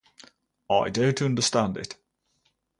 I don’t understand it.